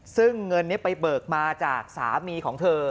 ซึ่งเงินนี้ไปเบิกมาจากสามีของเธอ